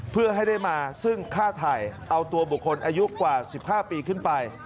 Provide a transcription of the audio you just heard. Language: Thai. เพื่อให้ได้มาซึ่งฆ่าไทยเอาตัวบุคคลอายุกว่า๑๕ปีขึ้นไป